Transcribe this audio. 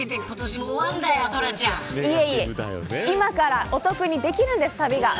今からお得にできるんです、旅が。